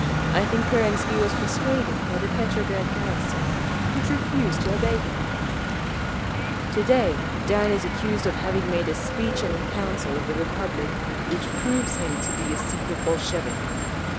I think Kerensky was persuaded by the Petrograd garrison, which refused to obey him…. "To day Dan is accused of having made a speech in the Council of the Republic which proves him to be a secret Bolshevik….